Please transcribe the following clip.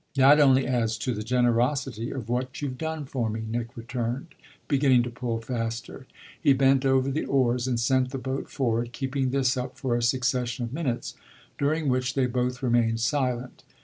"That only adds to the generosity of what you've done for me," Nick returned, beginning to pull faster. He bent over the oars and sent the boat forward, keeping this up for a succession of minutes during which they both remained silent.